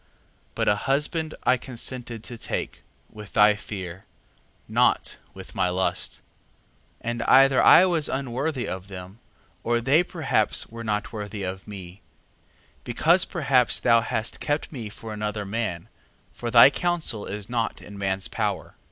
3:18. But a husband I consented to take, with thy fear, not with my lust. 3:19. And either I was unworthy of them, or they perhaps were not worthy of me: because perhaps thou hast kept me for another man, 3:20. For thy counsel is not in man's power.